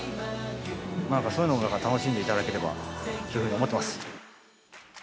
なんかそういうのを楽しんでいただければって思ってます。